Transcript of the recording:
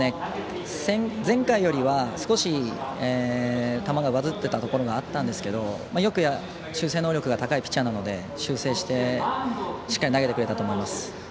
前回よりは少し球が上ずっていたところがあったんですけど修正能力が高いピッチャーなので修正してしっかり投げてくれたと思います。